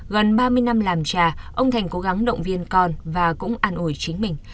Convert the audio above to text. gần ba mươi năm làm trà ông thành cố gắng động viên con và cũng an ủi chính mình